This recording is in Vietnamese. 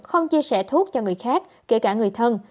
không chia sẻ thuốc cho người khác kể cả người thân